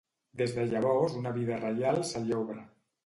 Des de llavors una via reial se li obre.